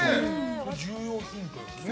重要ヒントですね。